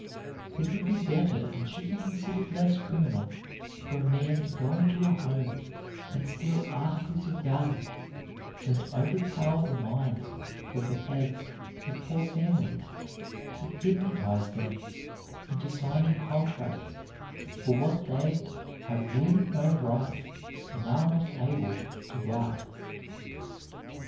It would be better and should be considered less criminal for a man to go into a home and steal articles of value than to overpower the minds of the heads of poor families and hypnotize them into signing contracts for what they have really no right and are not able to buy.